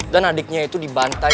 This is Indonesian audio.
dan adiknya itu dibantai